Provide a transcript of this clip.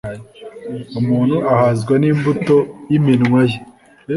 Umuntu ahazwa n’imbuto y’iminwa ye